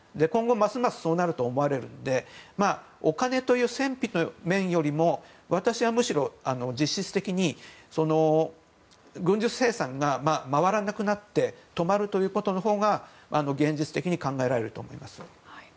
今後、ますますそうなると思われるのでお金という戦費という面よりも私は、むしろ実質的に軍需生産が回らなくなって止まるということのほうが現実的に考えられると思います。